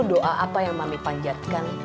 doa apa yang mami panjatkan